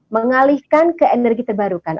mengalihkan ke energi terbarukan